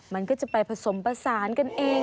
มันก็จะไปผสมผสานกันเอง